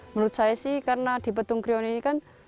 menurut saya sih karena di petung krio ini kan